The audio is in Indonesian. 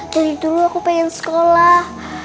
dari dulu aku pengen sekolah